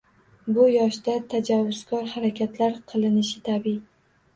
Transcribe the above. Bu yoshda tajovuzkor harakatlar qilinishi tabiiy